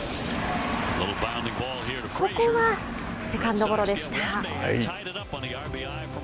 ここはセカンドゴロでした。